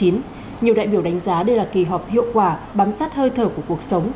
nhiều đại biểu đánh giá đây là kỳ họp hiệu quả bám sát hơi thở của cuộc sống